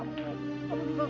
aku akan coba permintaanmu